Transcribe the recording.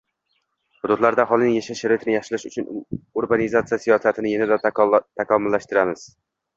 Hududlarda aholining yashash sharoitini yaxshilash uchun urbanizatsiya siyosatini yanada takomillashtiramiz.